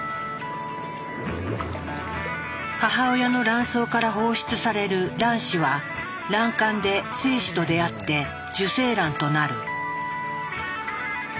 母親の卵巣から放出される卵子は卵管で精子と出会って受精卵となる。